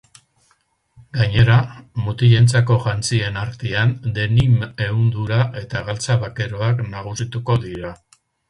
Gainera, mutilentzako jantzien artean denim ehundura eta galtza bakeroak nagusituko dira.